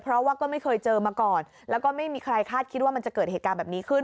เพราะว่าก็ไม่เคยเจอมาก่อนแล้วก็ไม่มีใครคาดคิดว่ามันจะเกิดเหตุการณ์แบบนี้ขึ้น